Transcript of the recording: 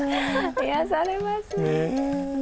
癒やされます。